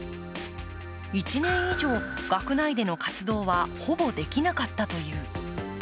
１年以上、学内での活動はほぼできなかったという。